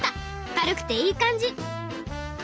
軽くていい感じ。